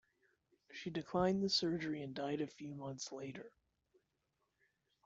She declined the surgery, and died a few months later.